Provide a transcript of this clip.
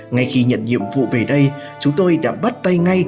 ngay khi nhận nhiệm vụ về đây chúng tôi đã bắt tay ngay